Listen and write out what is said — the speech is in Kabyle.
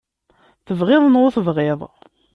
Tebɣiḍ neɣ ur tebɣiḍ.